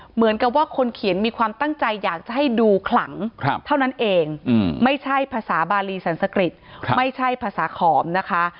เหมือนกับว่าคนเขียนมีความตั้งใจอยากจะให้ดูขลังเท่านั้นเองไม่ใช่ภาษาบาลีสันสกริจไม่ใช่ภาษาขอมนะคะ